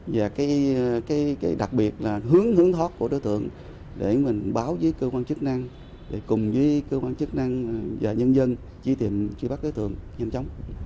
và cái đặc biệt là hướng hướng thoát của đối tượng để mình báo với cơ quan chức năng cùng với cơ quan chức năng và nhân dân chỉ tìm khi bắt đối tượng nhanh chóng